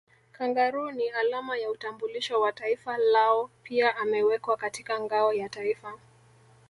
Kangaroo ni alama ya utambulisho wa taifa lao pia amewekwa katika ngao ya Taifa